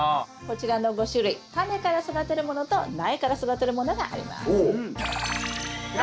こちらの５種類タネから育てるものと苗から育てるものがあります。